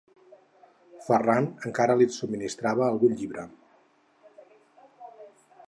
Ferran encara li subministrava algun llibre.